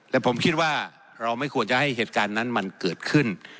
และผมคิดว่าเราไม่ควรจะให้เหตุการณ์นั้นมันเกิดขึ้น